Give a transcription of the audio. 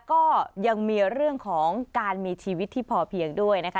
ก็ยังมีเรื่องของการมีชีวิตที่พอเพียงด้วยนะคะ